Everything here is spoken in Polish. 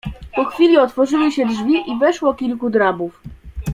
"Po chwili otworzyły się drzwi i weszło kilku drabów."